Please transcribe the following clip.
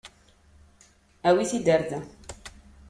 Awi-t-id ɣer da.